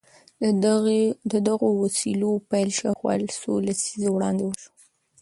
د دغو وسيلو پيل شاوخوا څو لسيزې وړاندې وشو.